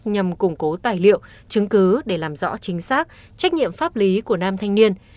nhằm củng cố tài liệu chứng cứ để làm rõ chính xác trách nhiệm pháp lý của nam thanh niên